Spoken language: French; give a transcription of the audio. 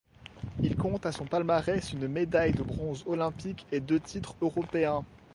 Il compte à son palmarès une médaille de bronze olympique et deux titres européens.